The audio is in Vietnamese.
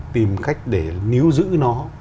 tìm cách để níu giữ nó